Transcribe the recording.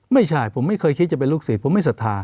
ไม่ใช่ผมไม่เคยคิดจะเป็นลูกศิษย์ผมไม่ศรัทธา